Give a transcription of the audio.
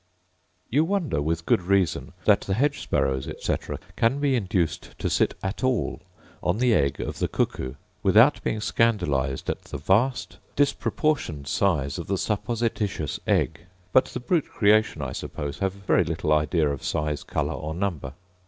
You wonder, with good reason, that the hedge sparrows, etc., can be induced to sit at all on the egg of the cuckoo without being scandalized at the vast disproportioned size of the supposititious egg; but the brute creation, I suppose, have very little idea of size, colour, or number.